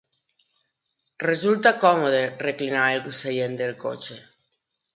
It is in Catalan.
Resulta còmode reclinar el seient del cotxe.